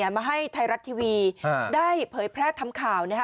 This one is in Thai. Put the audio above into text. มาให้ไทยรัฐทีวีได้เผยแพร่ทำข่าวนะคะ